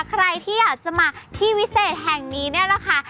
ใครที่อยากจะมาที่วิเศษแห่งนี้เนี่ยนะคะ